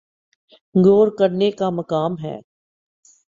غور کرنے کا مقام ہے۔